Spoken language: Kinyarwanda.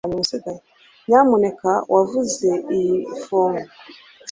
Nyamuneka wuzuze iyi fomu